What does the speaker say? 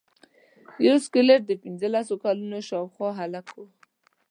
یو سکلیټ د پنځلسو کلونو شاوخوا هلک و.